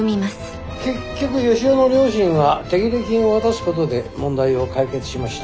結局義雄の両親は手切れ金を渡すことで問題を解決しました。